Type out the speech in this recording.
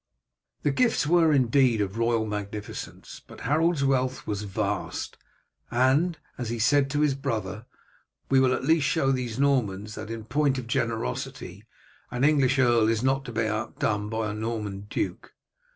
The gifts were indeed of royal magnificence; but Harold's wealth was vast, and, as he said to his brother, "We will at least show these Normans, that in point of generosity an English earl is not to be outdone by a Norman duke."